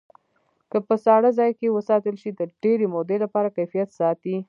که په ساړه ځای کې وساتل شي د ډېرې مودې لپاره کیفیت ساتي.